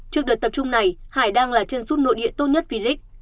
trước đợt tập trung này hải đang là chân rút nội địa tốt nhất vì lích